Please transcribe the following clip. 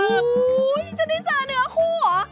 จะได้เจอเนื้อคู่เหรอ